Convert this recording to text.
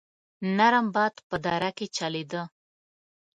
نرم باد په دره کې چلېده.